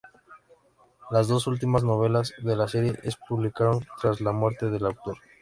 Las dos últimas novelas de la serie se publicaron tras la muerte del autor.